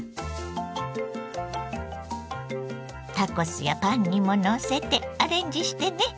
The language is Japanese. タコスやパンにものせてアレンジしてね。